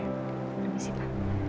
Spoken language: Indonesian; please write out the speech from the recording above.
lagi ada yang disitu